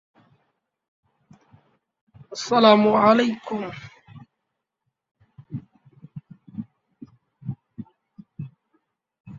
এটি চিকিৎসা কর্মীদের জন্য বীমা সুবিধা প্রদান করে।